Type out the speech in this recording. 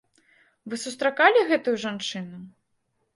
Вы сустракалі гэтую жанчыну?